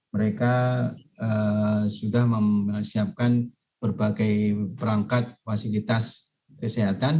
mereka sudah mempersiapkan berbagai perangkat fasilitas kesehatan